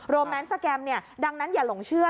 แนนสแกรมดังนั้นอย่าหลงเชื่อ